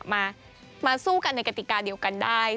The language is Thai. มาสู้กันในกติกาเดียวกันได้